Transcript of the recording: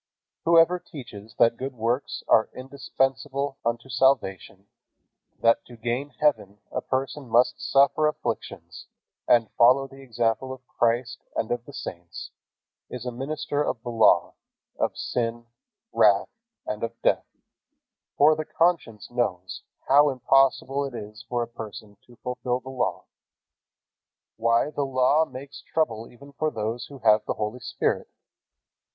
Whoever teaches that good works are indispensable unto salvation, that to gain heaven a person must suffer afflictions and follow the example of Christ and of the saints, is a minister of the Law, of sin, wrath, and of death, for the conscience knows how impossible it is for a person to fulfill the Law. Why, the Law makes trouble even for those who have the Holy Spirit.